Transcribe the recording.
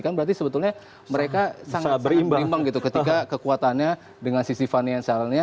kan berarti sebetulnya mereka sangat berimbang ketika kekuatannya dengan si stephenian salahnya